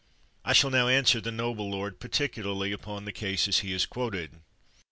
I shall now answer the noble lord particularly upon the cases he has quoted.